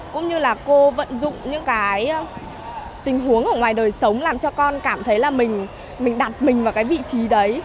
cũng như là cô vận dụng những cái tình huống ở ngoài đời sống làm cho con cảm thấy là mình đặt mình vào cái vị trí đấy